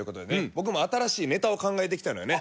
僕も新しいネタを考えてきたのよね